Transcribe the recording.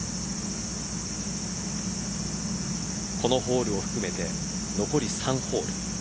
このホールを含めて残り３ホール。